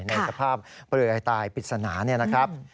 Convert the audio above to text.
ในสภาพเปลือยตายปริศนาเนี่ยนะครับ